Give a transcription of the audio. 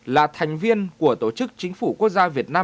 là thành viên của tổ chức chính phủ quốc gia việt nam